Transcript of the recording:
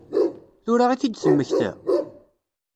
Tura i t-id-temmekta?